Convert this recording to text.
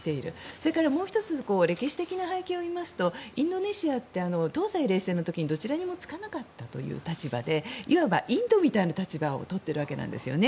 それからもう１つ歴史的な背景を見ますとインドネシアって東西冷戦の時にどちらにもつかなかったということでいわばインドみたいな立場を取ってるわけなんですよね。